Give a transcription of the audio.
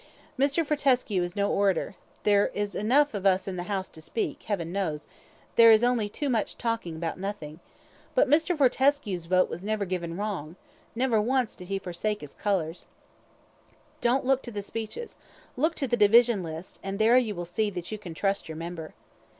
Mr. Fortescue is no orator there is enough of us in the House to speak, Heaven knows there is only too much talk about nothing; but Mr. Fortescue's vote was never given wrong never once did he forsake his colours! Don't look to the speeches look to the division list, and there you will see that you can trust your member.